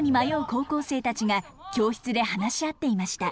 高校生たちが教室で話し合っていました。